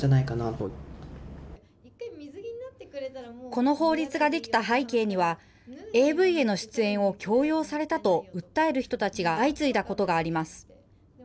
この法律が出来た背景には、ＡＶへの出演を強要されたと訴える人たちが相次いだことがあります。